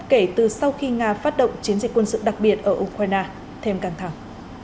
kể từ sau khi nga phát động chiến dịch quân sự đặc biệt ở ukraine thêm căng thẳng